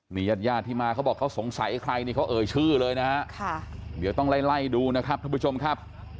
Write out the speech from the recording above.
นี่ญาติญาติที่มาเขาบอกเขาสงสัยใครนี่เขาเอ่ยชื่อเลยนะฮะเดี๋ยวต้องไล่ไล่ดูนะครับท่านผู้ชมครับ